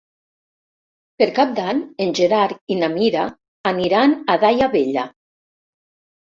Per Cap d'Any en Gerard i na Mira aniran a Daia Vella.